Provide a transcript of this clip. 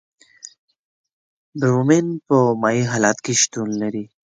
برومین په مایع حالت کې شتون لري.